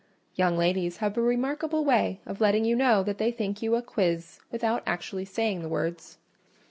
Young ladies have a remarkable way of letting you know that they think you a "quiz" without actually saying the words.